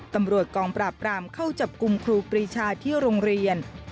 ตำรวจกองปราบรามเข้าจับกลุ่มครูปรีชาที่โรงเรียน